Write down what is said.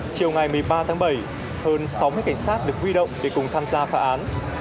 chiều ngày một mươi ba tháng bảy hơn sáu mươi cảnh sát được huy động để cùng tham gia phá án